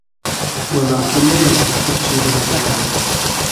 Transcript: و لاکین نییۂ اېستیرچی دۂ مېنکئل